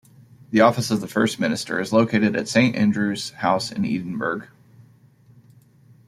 The Office of the First Minister is located at Saint Andrews House in Edinburgh.